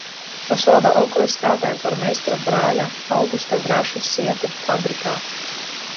Osvalda onkulis strādāja par meistaru brāļa Augusta drāšu sieta fabrikā.